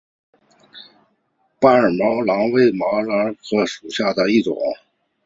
班戈毛茛为毛茛科毛茛属下的一个种。